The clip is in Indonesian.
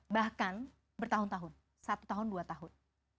bahkan bertahun tahun satu tahun dua tahun